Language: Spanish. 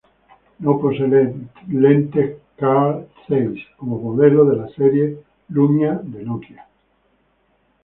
No posee lentes Carl Zeiss como modelos de la serie Lumia de Nokia.